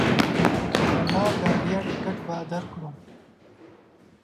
د لا ګارډیا ټکټ به درکړو.